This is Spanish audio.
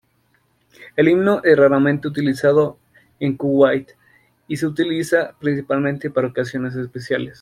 El himno es raramente utilizado en Kuwait y se utiliza principalmente para ocasiones especiales.